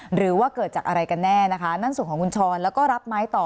หรือว่าเกิดจากอะไรกันแน่นะคะนั่นสุดของคุณชรแล้วก็รับไม้ต่อ